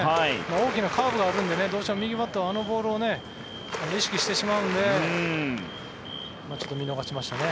大きなカーブがあるんでどうしても右バッターはあのボールを意識してしまうので見逃しましたね。